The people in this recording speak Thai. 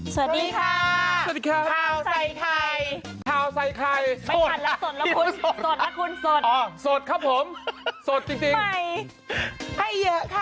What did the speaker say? สวัสดีค่ะสวัสดีค่ะข้าวใส่ไข่ข่าวใส่ไข่สดแล้วสดแล้วคุณสดนะคุณสดอ๋อสดครับผมสดจริงใหม่ให้เยอะค่ะ